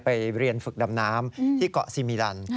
ไปเรียนฝึกดำน้ำที่เกาะซีมิลัน